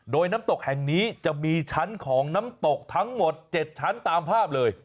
โดยน้ำตกแห่งนี้จะมีชั้นของน้ำตกทั้งหมด๗ชั้นตามภาพเลย